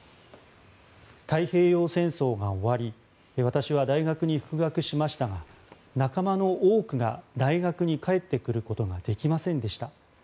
太平洋戦争が終わり私は大学に復学しましたが仲間の多くが大学に帰ってくることができませんでした。